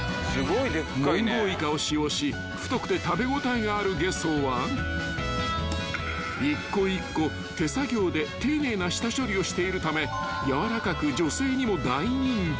［モンゴウイカを使用し太くて食べ応えがあるゲソは一個一個手作業で丁寧な下処理をしているため軟らかく］